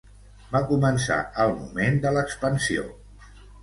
Va començar el moment de l'expansió